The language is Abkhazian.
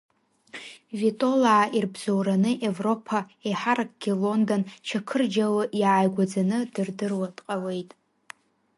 Витолаа ирбзоураны Евроԥа, еиҳаракгьы Лондон, Чақырџьалы иааигәаӡаны дырдыруа дҟалеит.